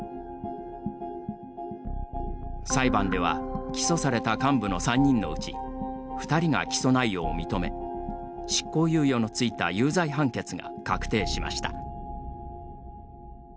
裁判では、起訴された幹部の３人のうち２人が起訴内容を認め執行猶予のついた有罪判決が確定しました。